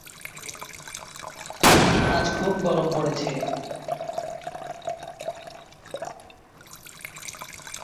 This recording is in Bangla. এরপর তাঁরা মোড় নেয়।